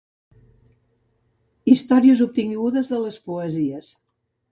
Històries obtingudes de les poesies.